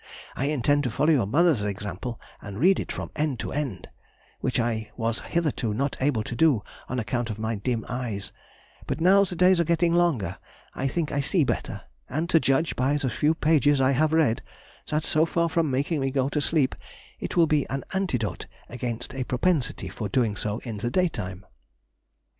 I intend to follow your mother's example to read it "from end to end," which I was hitherto not able to do on account of my dim eyes; but now the days are getting longer I think I see better, and to judge by the few pages I have read, that so far from making me go to sleep, it will be an antidote against a propensity for doing so in the daytime.